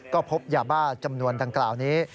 ก็พบยาบ้าจำนวนดังกล่าวนี้